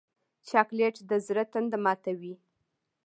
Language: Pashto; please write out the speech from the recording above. چاکلېټ د زړه تنده ماتوي.